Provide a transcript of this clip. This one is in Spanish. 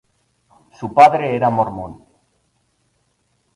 Su padre era mormón.